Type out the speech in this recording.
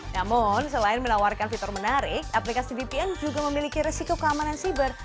namun selain menawarkan fitur menarik aplikasi vpn juga memiliki resiko keamanan siber